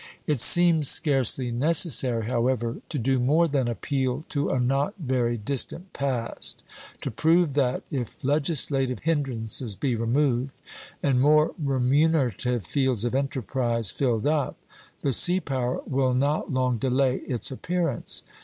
It seems scarcely necessary, however, to do more than appeal to a not very distant past to prove that, if legislative hindrances be removed, and more remunerative fields of enterprise filled up, the sea power will not long delay its appearance.